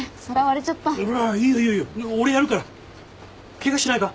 ケガしてないか？